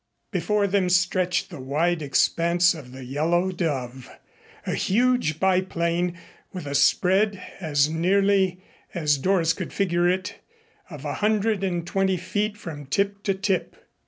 Before them stretched the wide expanse of the Yellow Dove, a huge biplane with a spread, as nearly as Doris could figure it, of a hundred and twenty feet from tip to tip.